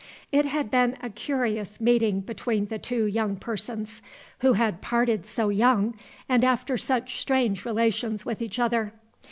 It had been a curious meeting between the two young persons, who had parted so young and after such strange relations with each other.